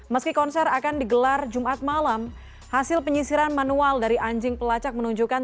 meski konser akan digelar jumat malam hasil penyisiran manual dari anjing pelacak menunjukkan